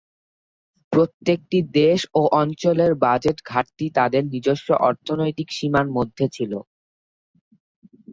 প্রত্যেকটি দেশ ও অঞ্চলের বাজেট ঘাটতি তাদের নিজস্ব অর্থনৈতিক সীমার মধ্যে ছিল।